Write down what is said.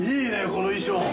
この衣装。